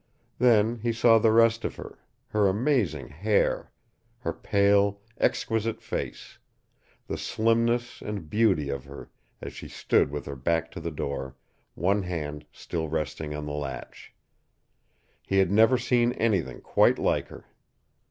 Then he saw the rest of her her amazing hair, her pale, exquisite face, the slimness and beauty of her as she stood with her back to the door, one hand still resting on the latch. He had never seen anything quite like her.